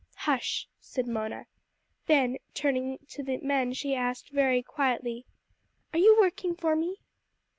"Hush!" said Mona. Then turning to the men she asked very quietly, "Are you working for me?"